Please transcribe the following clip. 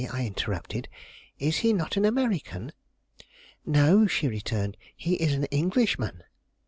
I interrupted. "Is he not an American?" "No," she returned; "he is an Englishman."